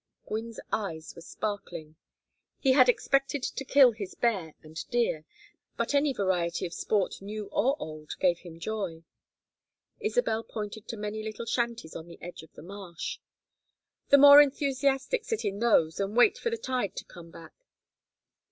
Gwynne's eyes were sparkling. He had expected to kill his bear and deer, but any variety of sport new or old gave him joy. Isabel pointed to many little shanties on the edge of the marsh. "The more enthusiastic sit in those and wait for the tide to come back.